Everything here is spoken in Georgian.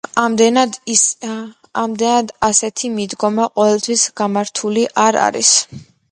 ამდენად ასეთი მიდგომა ყოველთვის გამართლებული არ არის.